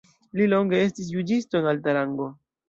Li longe estis juĝisto en alta rango.